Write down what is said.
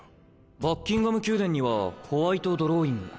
バッキンガム宮殿にはホワイトドローイング。